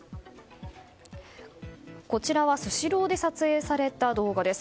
こちらはスシローで撮影された動画です。